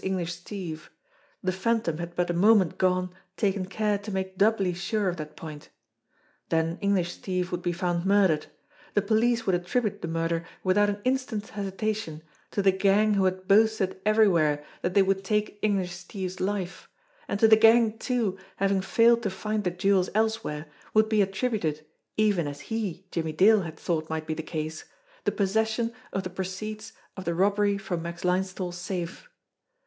English Steve the Phantom had but a moment gone taken care to make doubly sure of that point then English Steve A DEVIL'S ALIBI 183 would be found murdered; the police would attribute the murder without an instant's hesitation to the gang who had boasted everywhere that they would take English Steve's life ; and to the gang, too, having failed to find the jewels else where, would be attributed, even as he, Jimmie Dale, had thought might be the case, the possession of the proceeds of the robbery from Max Linesthal's safe.